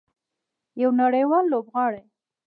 یو نړیوال لوبغاړی.